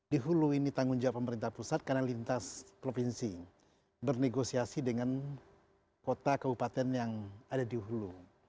di hulu ini tanggung jawab pemerintah pusat karena lintas provinsi bernegosiasi dengan kota kabupaten yang ada di hulu